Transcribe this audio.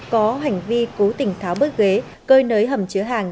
có hành vi cố tình tháo bớt ghế cơi nới hầm chứa hàng